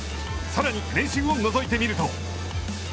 さらに練習をのぞいてみると。